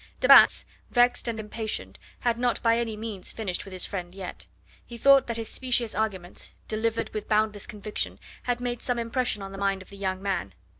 De Batz vexed and impatient had not by any means finished with his friend yet. He thought that his specious arguments delivered with boundless conviction had made some impression on the mind of the young man.